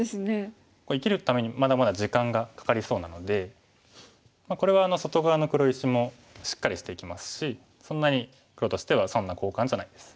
生きるためにまだまだ時間がかかりそうなのでこれは外側の黒石もしっかりしていきますしそんなに黒としては損な交換じゃないです。